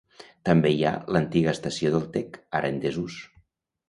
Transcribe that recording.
També hi ha l'antiga estació del Tec, ara en desús.